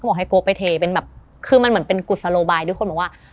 บอกให้โก๊ไปเทเป็นแบบคือมันเหมือนเป็นกุศโลบายด้วยคนบอกว่า